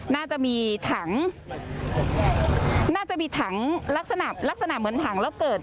น่าจะมีถังน่าจะมีถังลักษณะลักษณะเหมือนถังแล้วเกิด